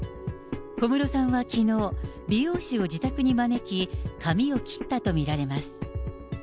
小室さんはきのう、理容師を自宅に招き、髪を切ったと見られます。